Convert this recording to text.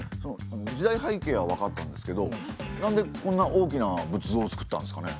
時代背景はわかったんですけどなんでこんな大きな仏像を造ったんですかね。